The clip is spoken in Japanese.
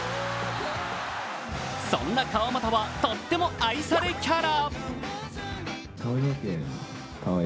そんな川真田は、とっても愛されキャラ。